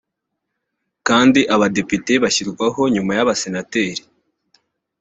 kandi abadepite bashyirwaho nyuma y’abasenateri